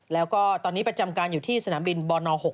แล้วก็ตอนนี้ประจำการอยู่ที่สนามบินบน๖